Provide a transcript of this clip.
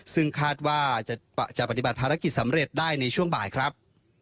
ซึ่งคาดว่าจะปฏิบัติภารกิจสำเร็จได้ในช่วงบ่ายครับ